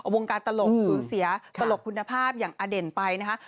วงการตลกสูญเสียตลกคุณภาพอย่างอเด่นไปนะคะ